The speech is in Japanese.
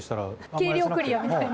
計量クリアみたいな。